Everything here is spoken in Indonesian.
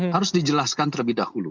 harus dijelaskan terlebih dahulu